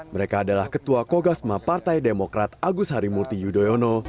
mereka adalah ketua kogasma partai demokrat agus harimurti yudhoyono